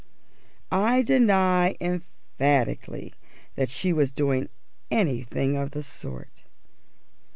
I deny emphatically that she was doing anything of the sort.